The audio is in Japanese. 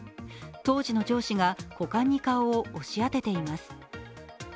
当時の上司が股間に顔を押し当てています。